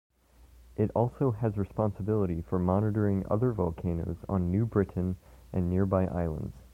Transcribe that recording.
It also has responsibility for monitoring other volcanoes on New Britain and nearby islands.